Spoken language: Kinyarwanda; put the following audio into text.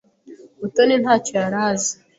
Mutoni ntacyo yari azi.